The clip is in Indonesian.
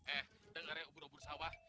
eh dengar ya ubur ubur sawah